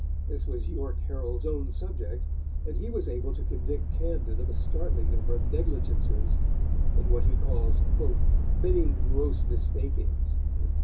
This was York Herald's own subject, and he was able to convict Camden of a startling number of negligences, and what he calls "many gross mistakings."